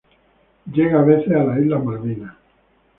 Llega a veces a las islas Malvinas.